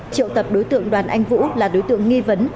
triệu tập đối tượng đoàn anh vũ là đối tượng nghi vấn